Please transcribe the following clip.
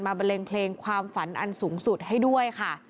บันเลงเพลงความฝันอันสูงสุดให้ด้วยค่ะ